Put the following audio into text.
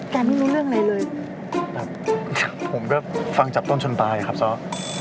แกไม่รู้เรื่องอะไรเลยผมก็ฟังจับต้นชนปลายครับสอบ